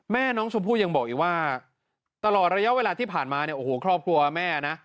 แม่น้องชมพู่ยังบอกอีกว่าตลอดระยะเวลาที่ผ่านมาเนี่ยโอ้โหครอบครัวแม่นะ